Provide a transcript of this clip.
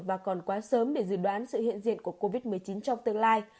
và còn quá sớm để dự đoán sự hiện diện của covid một mươi chín trong tương lai